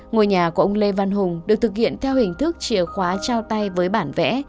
ngôi nhà của ông lê văn hùng được thực hiện theo hình thức chìa khóa trao tay với bản vẽ